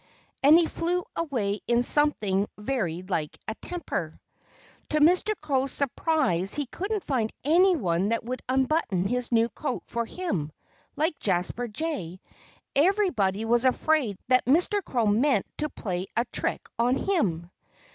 And he flew away in something very like a temper. To Mr. Crow's surprise he couldn't find anyone that would unbutton his new coat for him; like Jasper Jay, everybody was afraid that Mr. Crow meant to play a trick on him.